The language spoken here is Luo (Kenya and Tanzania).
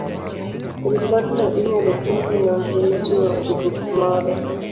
Ripodno inyalo pim gi nonro mitimo e buk moro